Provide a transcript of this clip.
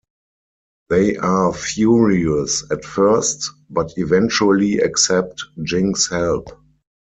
They are furious at first, but eventually accept Jing's help.